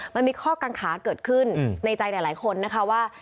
มันมีข้อกังขาเกิดขึ้นในใจหลายคนนะคะว่า